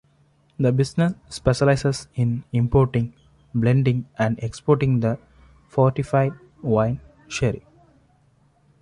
The business specialises in importing, blending and exporting the fortified wine, sherry.